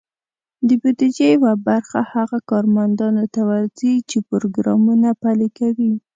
د بودیجې یوه برخه هغه کارمندانو ته ورځي، چې پروګرامونه پلي کوي.